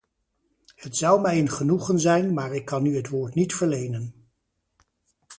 Het zou mij een genoegen zijn, maar ik kan u het woord niet verlenen.